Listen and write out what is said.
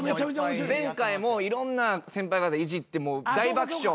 前回もいろんな先輩方いじって大爆笑。